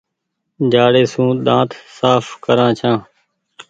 جآڙي سون ۮآنٿ ساڦ ڪرآن ڇآن ۔